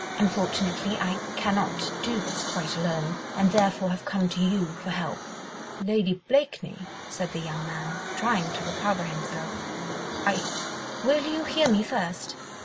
Unfortunately, I cannot do this quite alone, and therefore have come to you for help." "Lady Blakeney," said the young man, trying to recover himself, "I ..." "Will you hear me first?"